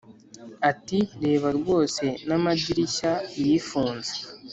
ati "reba rwose n'amadirishya yifunze!"